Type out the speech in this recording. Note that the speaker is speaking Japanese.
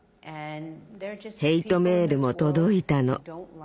ヘイトメールも届いたの。